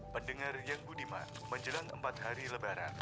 pendengar yang budima menjelang empat hari lebaran